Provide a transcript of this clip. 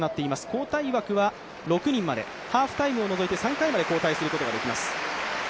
交代枠は６人までハーフタイムを加えて６人まで交代することができます。